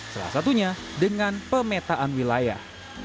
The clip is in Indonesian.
salah satunya dengan pemetaan wilayah